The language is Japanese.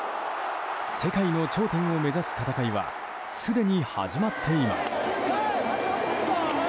世界の頂点を目指す戦いはすでに始まっています。